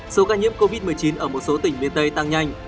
số ca nhiễm covid một mươi chín ở một số thành phố hà nội đã trở thành một